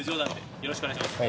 よろしくお願いします。